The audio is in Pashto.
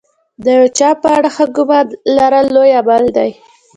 د یو چا په اړه ښه ګمان لرل لوی عمل دی.